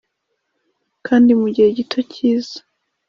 kandi mugihe gito cyiza